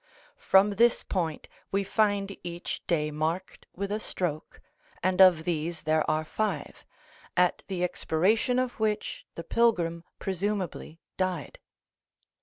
From this point we find each day marked with a stroke, and of these there are five, at the expiration of which the pilgrim presumably died.